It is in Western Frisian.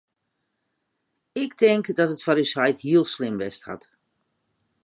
Ik tink dat dat foar ús heit heel slim west hat.